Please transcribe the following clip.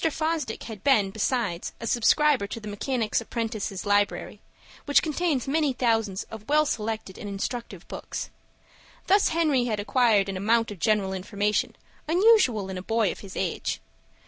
Fosdick had been, besides, a subscriber to the Mechanics' Apprentices' Library, which contains many thousands of well selected and instructive books. Thus Henry had acquired an amount of general information, unusual in a boy of his age.